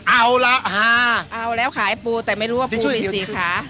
เอาล่ะฮาเอาแล้วขายปูแต่ไม่รู้ว่าปูมีสี่ขา